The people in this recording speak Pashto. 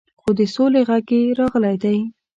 خو د سولې غږ یې راغلی دی.